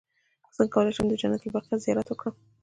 څنګه کولی شم د جنت البقیع زیارت وکړم